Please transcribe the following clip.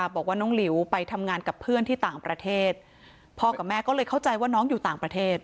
บอกว่าน้องหลิวไปทำงานกับเพื่อนที่ต่างประเทศพ่อกับแม่ก็เลยเข้าใจว่าน้องอยู่ต่างประเทศ